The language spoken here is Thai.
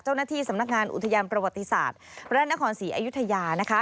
เจ้าหน้าที่สำนักงานอุทยานประวัติศาสตร์พระนครศรีอยุธยานะคะ